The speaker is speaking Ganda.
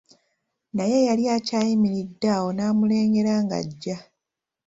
Naye yali akyayimiridde awo, n'amulengera ng'ajja.